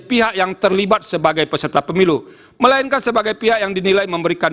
pihak yang terlibat sebagai peserta pemilu melainkan sebagai pihak yang dinilai memberikan